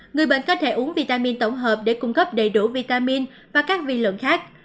người bệnh có thể uống vitamin tổng hợp để cung cấp đầy đủ vitamin và các vi lượng khác